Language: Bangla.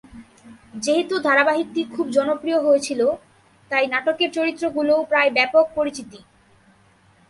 যেহেতু ধারাবাহিকটি খুব জনপ্রিয় হয়েছিল, তাই নাটকের চরিত্রগুলোও প্রায় ব্যাপক পরিচিতি।